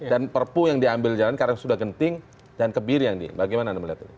perpu yang diambil jalan karena sudah genting dan kebiri ini bagaimana anda melihat ini